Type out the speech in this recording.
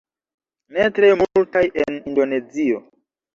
Ne tre multaj en indonezio